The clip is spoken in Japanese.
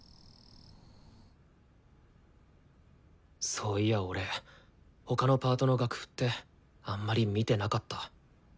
そういや俺他のパートの楽譜ってあんまり見てなかった。